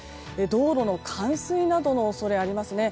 道路の冠水などの恐れがありますね。